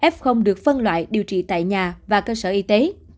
f được phân loại điều trị tại nhà và cơ sở y tế